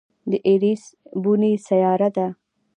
د ایرېس بونې سیاره ده.